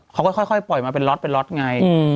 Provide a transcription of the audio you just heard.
ค่อยปล่อยมาเป็นล็อตเป็นล็อตไง